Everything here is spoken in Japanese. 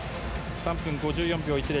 ３分５４秒１０。